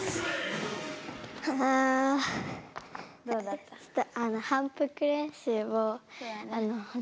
どうだった？